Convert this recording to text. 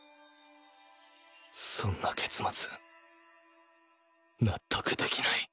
そんな結末納得できない！